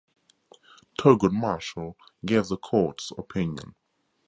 Thurgood Marshall gave the court's opinion.